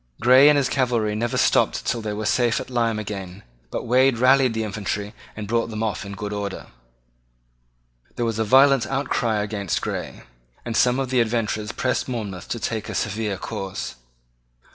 Grey and his cavalry never stopped till they were safe at Lyme again: but Wade rallied the infantry and brought them off in good order. There was a violent outcry against Grey; and some of the adventurers pressed Monmouth to take a severe course.